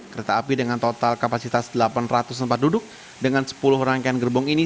kereta api dengan total kapasitas delapan ratus tempat duduk dengan sepuluh rangkaian gerbong ini